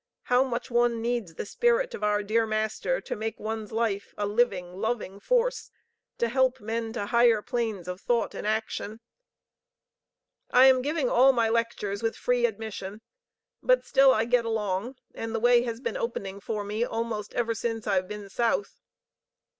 How much one needs the Spirit of our dear Master to make one's life a living, loving force to help men to higher planes of thought and action. I am giving all my lectures with free admission; but still I get along, and the way has been opening for me almost ever since I have been South.